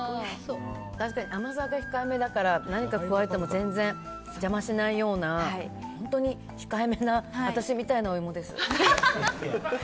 確かに甘さが控えめだから何かを加えても全然、邪魔しないような本当に控えめな私みたいなお芋です。